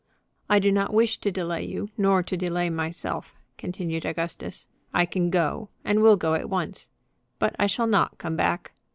"I do not wish to delay you, nor to delay myself," continued Augustus. "I can go, and will go, at once. But I shall not come back.